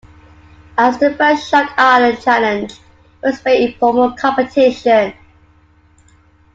As the first Shark Island Challenge it was a very informal competition.